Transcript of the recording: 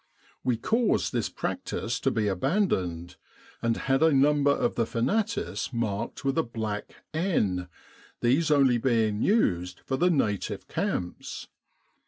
We caused this practice to be abandoned, and had a number of the fanatis marked with a black N, these only being used for the native camps.